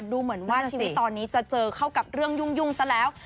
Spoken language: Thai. ดูเหมือนว่าชีวิตตอนนี้จะเจอเข้ากับเรื่องยุ่งซะแล้ว